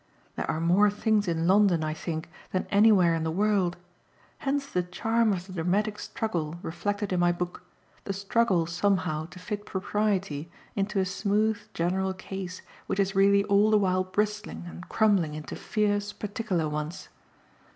There are more things in London, I think, than anywhere in the world; hence the charm of the dramatic struggle reflected in my book, the struggle somehow to fit propriety into a smooth general case which is really all the while bristling and crumbling into fierce particular ones.